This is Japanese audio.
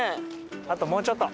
あともうちょっと！